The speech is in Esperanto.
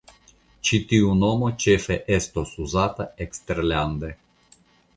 Ĉi tiu nomo ĉefe estos uzata eksterlande.